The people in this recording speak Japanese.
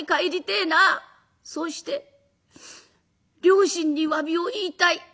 そうして両親にわびを言いたい。